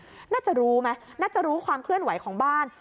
น่าจะรู้ไหมน่าจะรู้ความเคลื่อนไหวของบ้าน